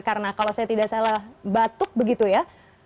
karena kalau saya tidak salah batuk begitu ya